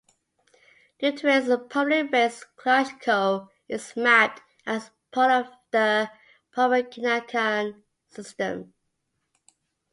Due to its prominent rays, Glushko is mapped as part of the Copernican System.